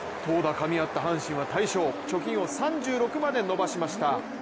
かみ合った阪神は大勝、貯金を３６まで伸ばしました。